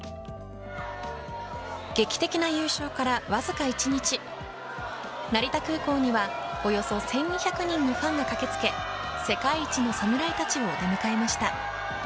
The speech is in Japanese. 劇的な優勝からわずか１日成田空港にはおよそ１２００人のファンが駆け付け世界一の侍たちを出迎えました。